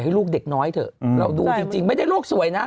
ลูกเด็กน้อยเถอะเราดูจริงไม่ได้โลกสวยนะ